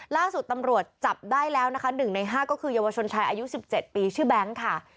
ล่าสุดตำรวจจับได้แล้วนะคะ๑ใน๕ก็คือเยาวชนชายอายุ๑๗ปีชื่อแบงค์ค่ะ